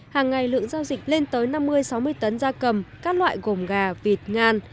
hàng ngày lượng giao dịch lên tới năm mươi sáu mươi tấn da cầm các loại gồm gà vịt ngan